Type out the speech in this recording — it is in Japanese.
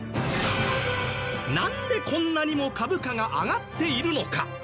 何でこんなにも株価が上がっているのか。